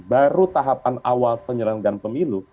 baru tahapan awal penyelenggaran pemilu